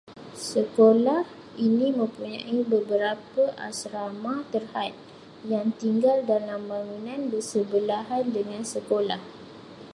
Sekolah ini mempunyai beberapa asrama terhad, yang tinggal dalam bangunan bersebelahan dengan sekolah